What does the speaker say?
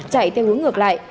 chạy theo hướng ngược lại